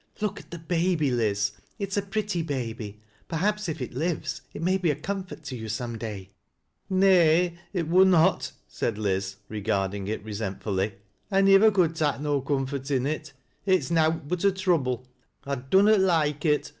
" Look at the baby, Laz It is a pretty baby. Perhaps if it lives, it may be a comfort to you some day." " Nay ! it wunnot ;" said Liz, regarding it resentfully '•'Iniwer could tak' no comfort in it. It's nowt but a tronble. I dunnot loike it.